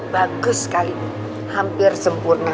bagus sekali hampir sempurna